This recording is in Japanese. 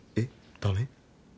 ダメ？